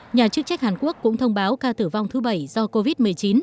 nhà chức trách hàn quốc cũng thông báo ca tử vong thứ bảy do covid một mươi chín